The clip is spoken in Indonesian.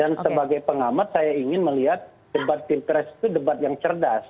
dan sebagai pengamat saya ingin melihat debat interes itu debat yang cerdas